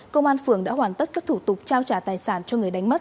công an phường đã hoàn tất các thủ tục trao trả tài sản cho người đánh mất